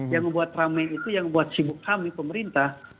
yang membuat ramai itu yang buat sibuk kami pemerintah